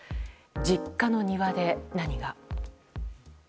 実家の庭で何が。